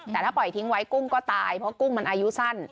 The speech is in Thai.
แต่ถ้าปล่อยทิ้งไว้กุ้งก็ตายเพราะกุ้งมันอายุสั้น